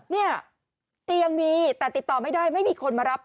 เนี่ยเตียงมีแต่ติดต่อไม่ได้ไม่มีคนมารับ